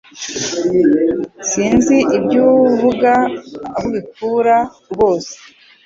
sinzi ibyuuvuga ahu ubikura rwose